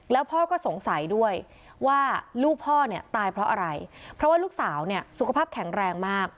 แล้วพ่อก็สงสัยด้วยว่าลูกพ่อเนี่ยตายเพราะอะไรเพราะว่าลูกสาวเนี่ยสุขภาพแข็งแรงมาก